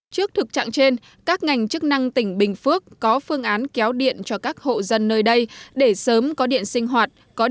trước thực trạng trên các ngành chức năng tỉnh bình phước có phương án kéo điện cho các hộ dân nơi đây để sớm có điện sinh hoạt